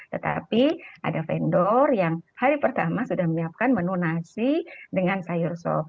tetapi ada vendor yang hari pertama sudah menyiapkan menu nasi dengan sayur sop